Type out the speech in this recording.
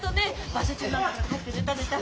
場所中なんだから帰って寝た寝た。